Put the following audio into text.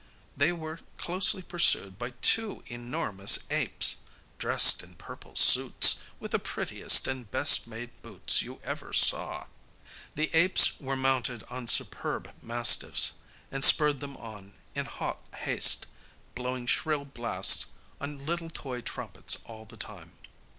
They were closely pursued by two enormous apes, dressed in purple suits, with the prettiest and best made boots you ever saw. The apes were mounted on superb mastiffs, and spurred them on in hot haste, blowing shrill blasts on little toy trumpets all the time.